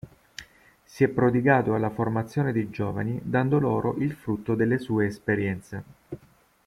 Si è prodigato alla formazione dei giovani dando loro il frutto delle sue esperienze.